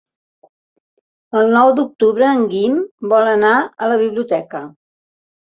El nou d'octubre en Guim vol anar a la biblioteca.